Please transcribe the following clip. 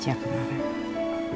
di tempat yang salah aja